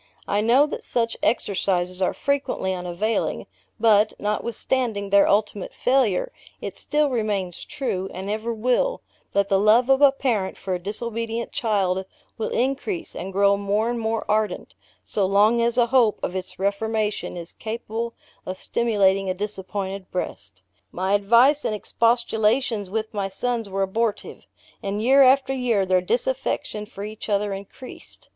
I know that such exercises are frequently unavailing; but, notwithstanding their ultimate failure, it still remains true, and ever will, that the love of a parent for a disobedient child, will increase, and grow more and more ardent, so long as a hope of its reformation is capable of stimulating a disappointed breast. My advice and expostulations with my sons were abortive; and year after year their disaffection for each other increased.